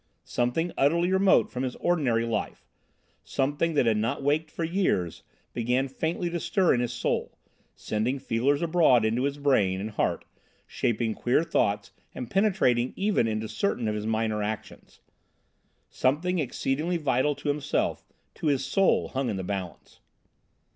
Something utterly remote from his ordinary life, something that had not waked for years, began faintly to stir in his soul, sending feelers abroad into his brain and heart, shaping queer thoughts and penetrating even into certain of his minor actions. Something exceedingly vital to himself, to his soul, hung in the balance.